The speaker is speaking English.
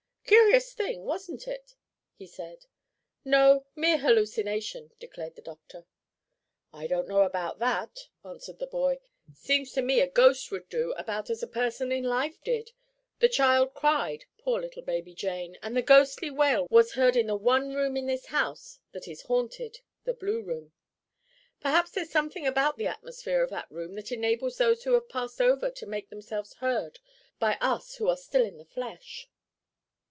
"Curious thing, wasn't it?" he said. "No; mere hallucination," declared the doctor. "I don't know about that," answered the boy. "Seems to me a ghost would do about as a person in life did. The child cried—poor little baby Jane!—and the ghostly wail was heard in the one room in this house that is haunted—the blue room. Perhaps there's something about the atmosphere of that room that enables those who have passed over to make themselves heard by us who are still in the flesh."